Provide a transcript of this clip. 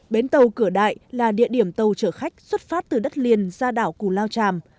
bến tàu cửa đại là địa điểm tàu chở khách xuất phát từ đất liền ra đảo cù lao tràm